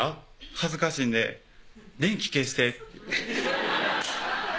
恥ずかしいんで「電気消して」って